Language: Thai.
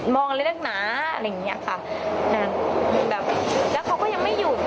เล็กหนาอะไรอย่างเงี้ยค่ะนะแบบแล้วเขาก็ยังไม่หยุด